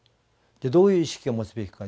でどういう意識を持つべきか。